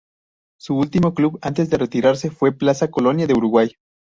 Su último club antes de retirarse fue Plaza Colonia de Uruguay.